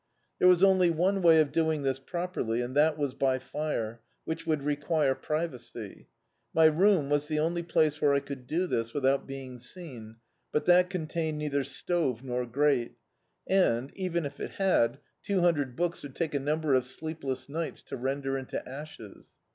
There was only one way of doing this properly, and that was l^ fire, which would require privacy. My room was the only place where I could do this without being Dictzed by Google At Last seen, but that contained neither stove nor grate; and, even if it had, two hundred books would take a num ber of sleepless nights to render into ashes.